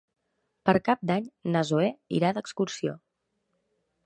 Per Cap d'Any na Zoè irà d'excursió.